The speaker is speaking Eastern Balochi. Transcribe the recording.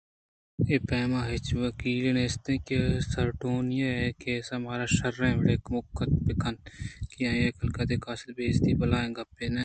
اے پیم ءَ ہچ وکیلے نیست اَت کہ سارٹونی ءِ کیسءَ مارا شرّیں وڑے ءَکمک کُت بہ کنت کہ آئی ءِ کاگد ءُ قاصد ءِ بے عزتی بلاہیں گپے اَت